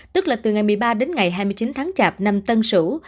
tức là từ ngày một mươi ba đến ngày hai mươi chín tháng chạp năm tân sửu